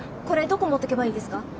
これどこ持っていけばいいですか？